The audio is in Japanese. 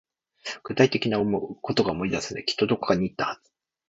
具体的なことが思い出せない。きっとどこかに行ったはず。